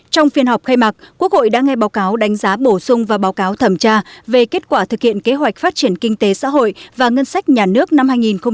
trong phiên họp khai mạc quốc hội đã nghe báo cáo đánh giá bổ sung và báo cáo thẩm tra về kết quả thực hiện kế hoạch phát triển kinh tế xã hội và ngân sách nhà nước năm hai nghìn một mươi tám